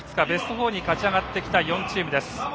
ベスト４に勝ち上がってきた４チームです。